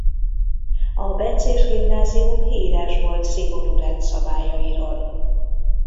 A bencés gimnázium híres volt szigorú rendszabályairól.